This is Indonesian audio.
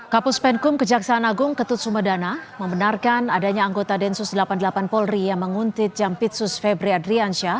kapus penkum kejaksaan agung ketut sumedana membenarkan adanya anggota densus delapan puluh delapan polri yang menguntit jampitsus febri adriansyah